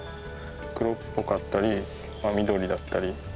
黒っぽかったり緑だったり黄色っぽく。